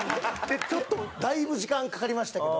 だいぶ時間かかりましたけど。